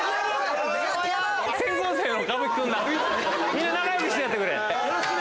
みんな仲良くしてやってくれ。